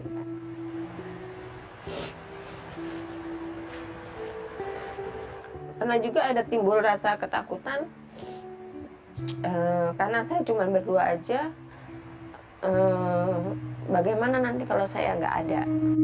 karena juga ada timbul rasa ketakutan karena saya cuma berdua saja bagaimana nanti kalau saya nggak ada